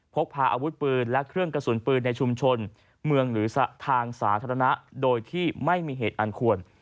พกพาอาวุธปืนและเครื่องกระสุนปืนในชุมชนเมืองหรือทางสาธารณะโดยที่ไม่มีเหตุอันควร